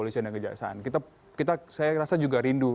saya rasa juga rindu